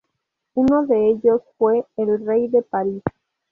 Uno de ellos fue "El rey de París".